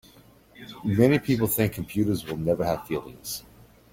Many people think computers will never have feelings.